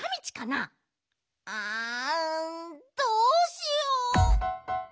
ああどうしよう。